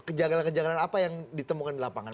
kejagalan kejanggalan apa yang ditemukan di lapangan